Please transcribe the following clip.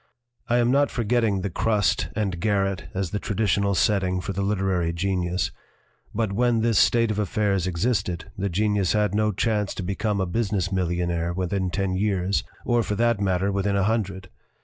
"I am not forgetting the crust and garret as the traditional setting for the literary genius; but, when this state of affairs existed, the genius had no chance to become a business millionaire within ten years or, for that matter, within a hundred.